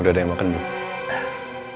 udah ada yang makan belum